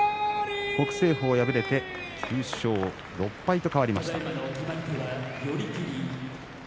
北青鵬、敗れて９勝６敗と変わりました。